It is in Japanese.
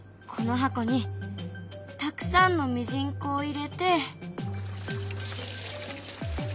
この箱にたくさんのミジンコを入れて。